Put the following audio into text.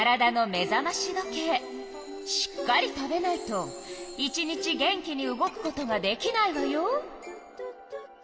しっかり食べないと１日元気に動くことができないわよ。